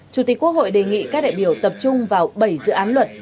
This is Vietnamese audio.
chủ tịch quốc hội đề nghị các đại biểu tập trung vào bảy dự án luật